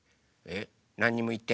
えっ？